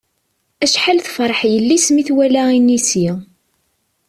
Acḥal tefṛeḥ yelli-s mi twala inisi.